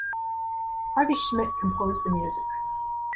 Harvey Schmidt composed the music.